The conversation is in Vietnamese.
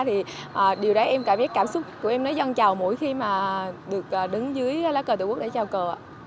thì điều đấy em cảm xúc của em nó dần chào mỗi khi mà được đứng dưới lá cờ tổ quốc để chào cờ